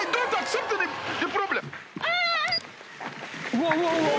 うわうわ！